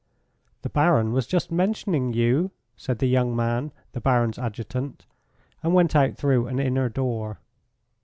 "The Baron was just mentioning you," said the young man, the Baron's adjutant, and went out through an inner door.